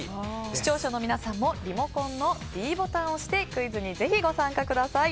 視聴者の皆さんもリモコンのｄボタンを押してクイズにぜひご参加ください。